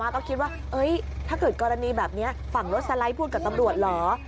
ก็คิดว่าถ้าเกิดกรณีแบบนี้ฝั่งรถสไลด์พูดกับตำรวจเหรอ